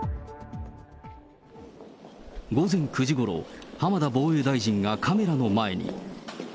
午前９時ごろ、浜田防衛大臣がカメラの前に。